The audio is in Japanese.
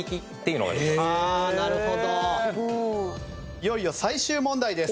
いよいよ最終問題です。